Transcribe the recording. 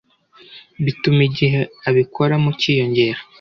bituma igihe abikoramo kiyongera